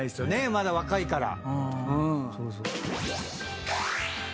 まだ若いから。